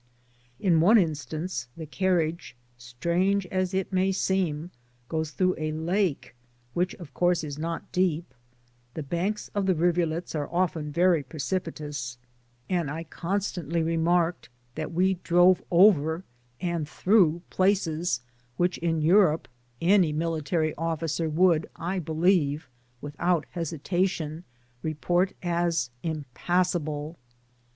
In one instance the carriage, strange as it may seem, goes through a lake, which of course is not deep. The banks of the rivulets are often very precipitous, and I constantly remarked that we drove over and through places which in Europe Digitized byGoogk 46 MdDfi D^ TTftAVfitLlKG. atiy military otAcet would, I believe, without hesi tation feport as itnpassable.